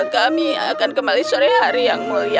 kami akan kembali sore hari yang mulia